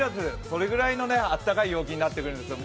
それぐらいの暖かい陽気になってくるんですよ。